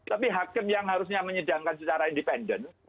tapi hakim yang harusnya menyidangkan secara independen